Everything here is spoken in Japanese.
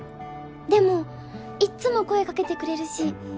でもいっつも声かけてくれるし